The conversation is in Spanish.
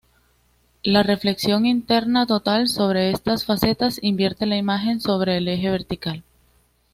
La reflexión interna total sobre estas facetas invierte la imagen sobre el eje vertical.